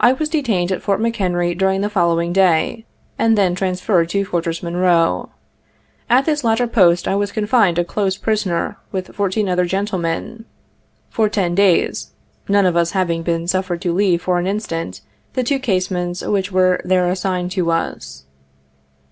I was detained at Fort McHenry during the following day, and then transferred to Fortress Monroe. At this latter post I was confined a close prisoner, with fourteen other gentlemen, for ten days, none of us having been suffered to leave for an instant the two casemates which were there assigned to us.